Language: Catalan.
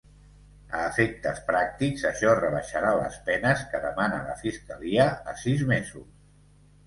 A efectes pràctics això rebaixarà les penes que demana la fiscalia a sis mesos.